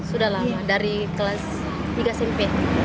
sudah lama dari kelas tiga smp